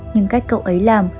nhưng cách cậu ấy làm